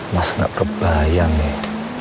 mas gak kebayang nih